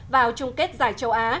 vào chung kết giải châu á